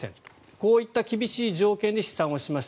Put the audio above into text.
こういった厳しい条件で試算しました